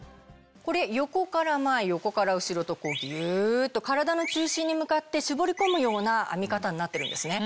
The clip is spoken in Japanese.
これ横から前横から後ろとギュっと体の中心に向かって絞り込むような編み方になってるんですね。